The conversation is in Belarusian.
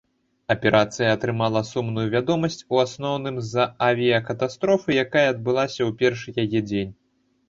Аперацыя атрымала сумную вядомасць у асноўным з-за авіякатастрофы, якая адбылася ў першы яе дзень.